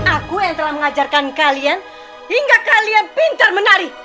aku yang telah mengajarkan kalian hingga kalian pintar menari